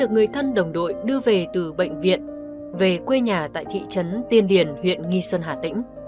người thân đồng đội đưa về từ bệnh viện về quê nhà tại thị trấn tiên điển huyện nghi xuân hà tĩnh